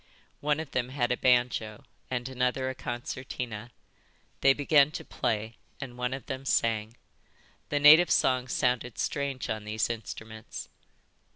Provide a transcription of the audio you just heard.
One of them had a banjo and another a concertina. They began to play, and one of them sang. The native song sounded strange on these instruments.